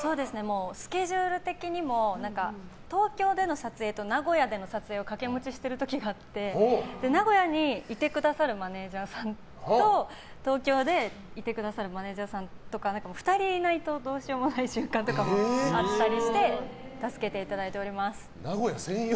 スケジュール的にも東京での撮影と名古屋での撮影を掛け持ちしている時があって名古屋にいてくださるマネジャーさんと東京でいてくださるマネジャーさんとか２人いないとどうしようもない瞬間とかもあったりして助けていただいております。